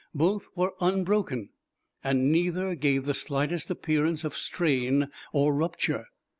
Both were unbroken; and neither gave the slightest appearance of strain or rupture.